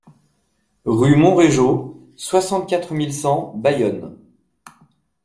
Rue Monréjau, soixante-quatre mille cent Bayonne